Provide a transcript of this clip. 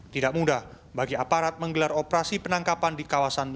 tidak mudah bagi aparat menggelar operasi penangkapan di kawasan